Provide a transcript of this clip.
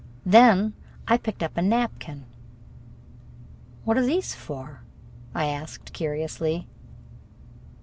Then I picked up a napkin. "What are these for?" I asked curiously.